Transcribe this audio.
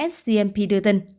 scmp đưa tin